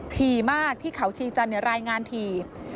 ถี่มากที่เขาชีจันเนี่ยรายงานถี่